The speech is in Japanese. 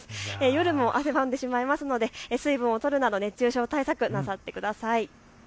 夜も汗ばんでしまいますので水分をとるなど熱中症対策なさってください。